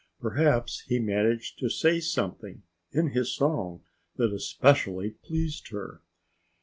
Perhaps he managed to say something in his song that especially pleased her.